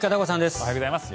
おはようございます。